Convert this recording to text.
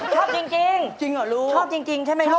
ชอบจริงชอบจริงใช่ไหมลูก